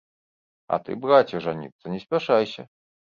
А ты, браце, жаніцца не спяшайся.